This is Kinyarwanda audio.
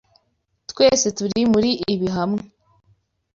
Twese turi muri ibi hamwe.